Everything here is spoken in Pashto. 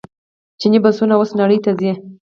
چیني بسونه اوس نړۍ ته ځي.